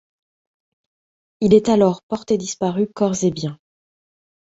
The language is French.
Il est alors porté disparu corps et bien.